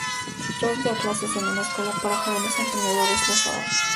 Roig da clases en una escuela para jóvenes emprendedores los sábados.